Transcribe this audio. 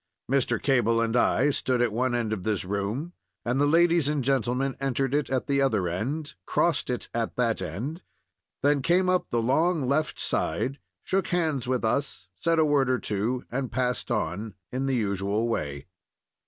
Mr. Cable and I stood at one end of this room, and the ladies and gentlemen entered it at the other end, crossed it at that end, then came up the long left hand side, shook hands with us, said a word or two, and passed on, in the usual way.